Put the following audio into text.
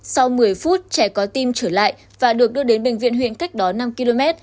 sau một mươi phút trẻ có tim trở lại và được đưa đến bệnh viện huyện cách đó năm km